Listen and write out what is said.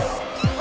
あ！